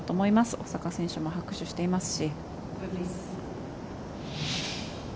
大坂選手も拍手していますし。